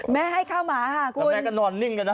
แม่ให้ข้าวหมาค่ะคุณ